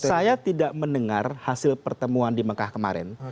saya tidak mendengar hasil pertemuan di mekah kemarin